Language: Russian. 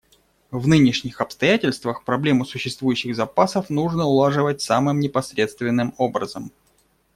В нынешних обстоятельствах проблему существующих запасов нужно улаживать самым непосредственным образом.